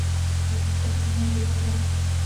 بیا به تکلیف نه وي، ډېره بخښنه غواړم.